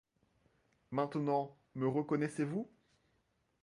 Maintenant me reconnaissez-vous?